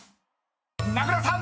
［名倉さん］